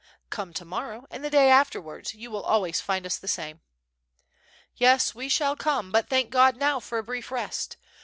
"Come to morrow and the day afterwards; you will always find us the same." "Yes, we shall come, but thank God now for a brief rest.